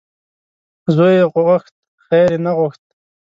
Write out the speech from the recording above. زوی یې غوښت خیر یې نه غوښت .